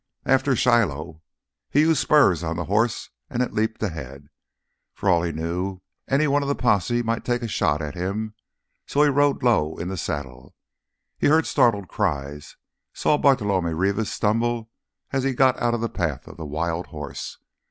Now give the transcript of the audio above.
"After Shiloh!" He used spurs on the horse and it leaped ahead. For all he knew any one of the posse might take a shot at him, so he rode low in the saddle. He heard startled cries, saw Bartolomé Rivas stumble as he got out of the path of the wild horse.